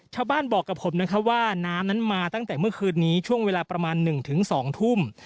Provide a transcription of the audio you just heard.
ชาวบ้านบอกกับผมนะครับว่าน้ำนั้นมาตั้งแต่เมื่อคืนนี้ช่วงเวลาประมาณ๑๒ทุ่ม